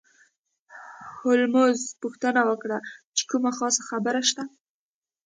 هولمز پوښتنه وکړه چې کومه خاصه خبره شته.